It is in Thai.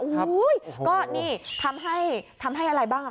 ก็นี่ทำให้อะไรบ้าง